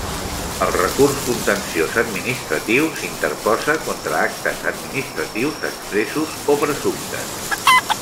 El recurs contenciós administratiu s'interposa contra actes administratius expressos o presumptes.